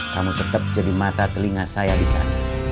kamu tetap jadi mata telinga saya di sana